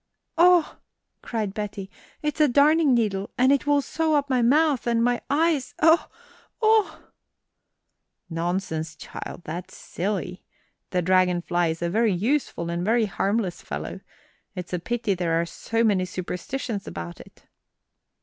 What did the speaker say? "Oh!" cried Betty, "it's a darning needle, and it will sew up my mouth and my eyes oh, oh!" "Nonsense, child, that's silly. The dragon fly is a very useful and a very harmless fellow. It's a pity that there are so many superstitions about it."